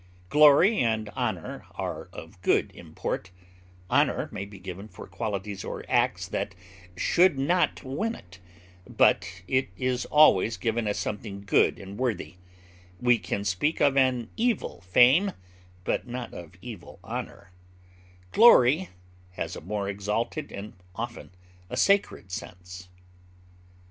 Glory and honor are of good import; honor may be given for qualities or acts that should not win it, but it is always given as something good and worthy; we can speak of an evil fame, but not of evil honor; glory has a more exalted and often a sacred sense.